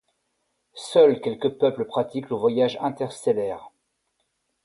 Seuls quelques peuples pratiquent le voyage interstellaire.